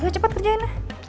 cepet kerjain ya